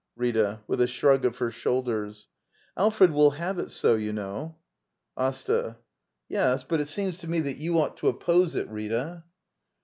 Rita. [With a shrug of her shoulders.] Al fred will have it so, you know. AsTA. Yes; but it seems to me that you ought to oppose it, Rita.